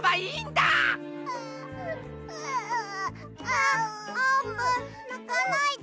あっあーぷんなかないで。